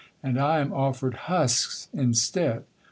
And I am offered HUSKS instead.